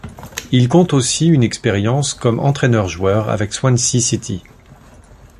Il compte aussi une expérience comme entraîneur-joueur avec Swansea City.